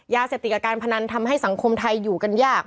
ยาเสพติดกับการพนันทำให้สังคมไทยอยู่กันยาก